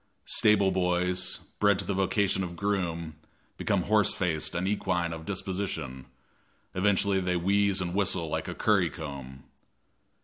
Stable boys, bred to the vocation of groom, become horse faced and equine of disposition, eventually they wheeze and whistle like a curry comb.